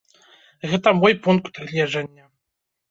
Гэта мой пункт гледжання.